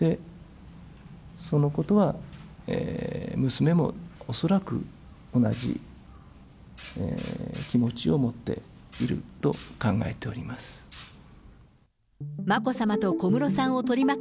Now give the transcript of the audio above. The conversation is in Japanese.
そのことは、娘も恐らく同じ気持ちを持っていると考えております。